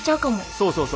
そうそうそう。